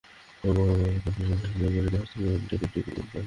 সব বড়ো মাল কন্টেইনারে জাহাজে করে জাহাজের ডেকে চুক্তি হয়।